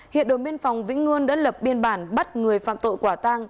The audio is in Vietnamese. hiện đồn biên phòng vĩnh ngươn đã lập biên bản bắt người phạm tội quả tang